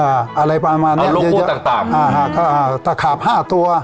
อ่าอะไรประมาณนี้เอาโลโก้ต่างต่างอ่าอ่าตะขาบห้าตัว